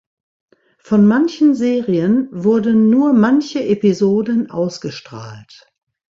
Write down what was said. Von manchen Serien wurden nur manche Episoden ausgestrahlt.